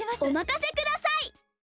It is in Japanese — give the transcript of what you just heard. おまかせください！